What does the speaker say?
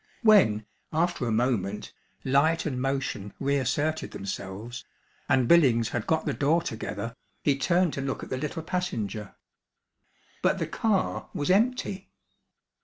When, after a moment, light and motion reasserted themselves, and Billings had got the door together, he turned to look at the little passenger. But the car was empty.